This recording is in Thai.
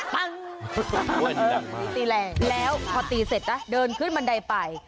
ปั้งตีแรงแล้วพอตีเสร็จนะเดินขึ้นบันไดไป